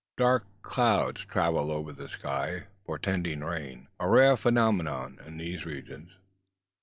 Dark clouds travel over the sky, portending rain: a rare phenomenon in these regions.